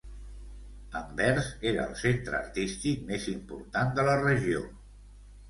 Anvers era el centre artístic més important de la regió.